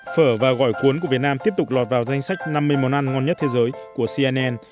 phở và cuốn của việt nam tiếp tục lọt vào danh sách năm mươi món ăn ngon nhất thế giới của cnn